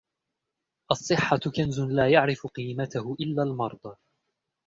الصحة كنز لا يعرف قيمته إلا المرضى.